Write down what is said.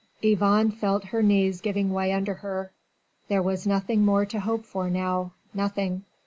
Yvonne felt her knees giving way under her. There was nothing more to hope for now nothing.